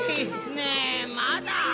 ねえまだ？